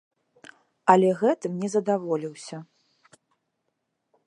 Але гэтым не задаволіўся.